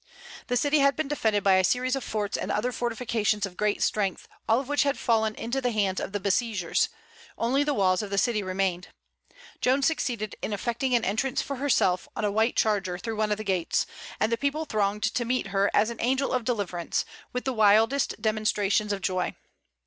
The city had been defended by a series of forts and other fortifications of great strength, all of which had fallen into the hands of the besiegers; only the walls of the city remained. Joan succeeded in effecting an entrance for herself on a white charger through one of the gates, and the people thronged to meet her as an angel of deliverance, with the wildest demonstrations of joy.